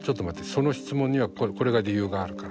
その質問にはこれが理由があるから」